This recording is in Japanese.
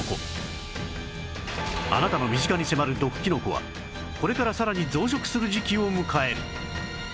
あなたの身近に迫る毒キノコはこれからさらに増殖する時期を迎える